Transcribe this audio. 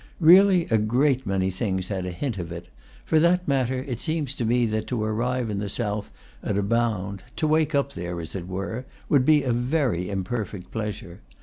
_ Really, a great many things had a hint of it. For that matter, it seems to me that to arrive in the south at a bound to wake up there, as it were would be a very imperfect pleasure.